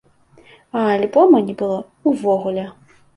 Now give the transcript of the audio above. А альбома не было ўвогуле.